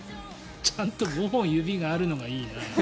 ちゃんと５本、指があるのがいいな。